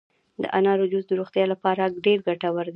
د انارو جوس د روغتیا لپاره ډیر ګټور دي.